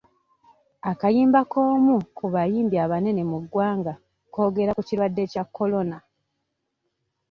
Akayimba k'omu ku bayimbi abanene mu ggwanga koogera ku kirwadde kya Corona.